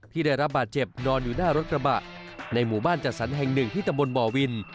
ได้รับบาดเจ็บนอนอยู่หน้ารถกระบะในหมู่บ้านจัดสรรแห่งหนึ่งที่ตะบนบ่อวิน